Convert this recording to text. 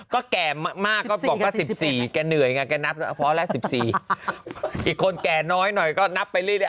ก็แก่มากก็บอกว่าสิบสี่แกเหนื่อยไงแกนับพอแล้วสิบสี่อีกคนแก่น้อยหน่อยก็นับไปรีด้วย